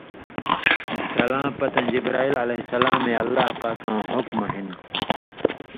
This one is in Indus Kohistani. تلاں پتَیں جبرائیل علیہ السلامے اللہ پاکاں حُکمہ ہِن